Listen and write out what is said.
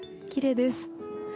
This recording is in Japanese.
きれいです。